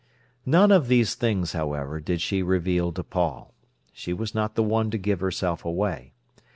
None of these things, however, did she reveal to Paul. She was not the one to give herself away.